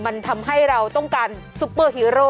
มันทำให้เราต้องการซุปเปอร์ฮีโร่